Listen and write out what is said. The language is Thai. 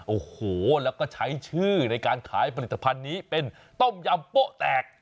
โอ้โหแล้วก็ใช้ชื่อในการขายผลิตภัณฑ์นี้เป็นต้มยำโป๊ะแตก